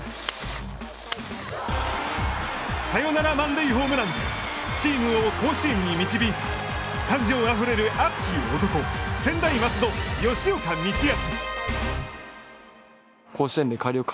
サヨナラ満塁ホームランでチームを甲子園に導いた感情あふれる熱き男専大松戸、吉岡道泰。